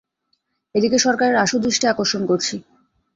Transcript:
এদিকে সরকারের আশু দৃষ্টি আকর্ষণ করছি।